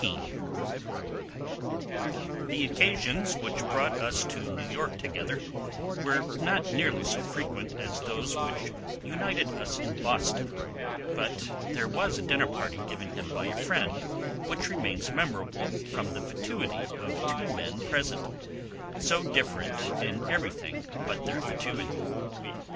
XIX. The occasions which brought us to New York together were not nearly so frequent as those which united us in Boston, but there was a dinner given him by a friend which remains memorable from the fatuity of two men present, so different in everything but their fatuity.